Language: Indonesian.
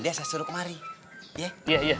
ya dia saya suruh kemari iya